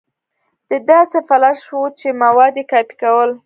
دا داسې فلش و چې مواد يې کاپي کول.